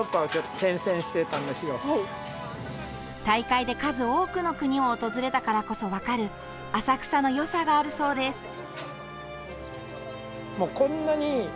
大会で数多くの国を訪れたからこそ分かる浅草のよさがあるそうです。